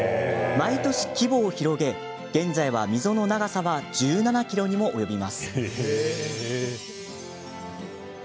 毎年、規模を広げ現在は溝の長さは１７ｋｍにも及びます。